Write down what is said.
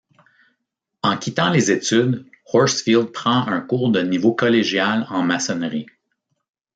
En quittant les études, Horsfield prend un cours de niveau collégial en maçonnerie.